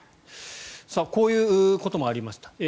こういうこともありました。